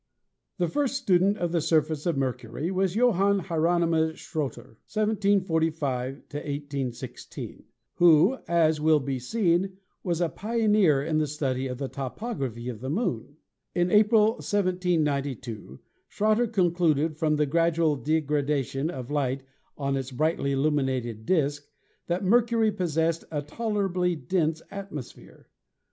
The first student of the surface of Mercury was Johann Hieronymus Schroter (1745 1816), who, as will be seen, was a pioneer in the study of the topography of the Moon. In April, 1792, Schroter concluded from the grad ual degradation of light on its brightly illuminated disk that Mercury possessed a tolerably dense atmosphere.